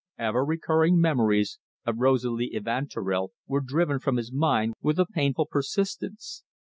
Ever recurring memories of Rosalie Evanturel were driven from his mind with a painful persistence.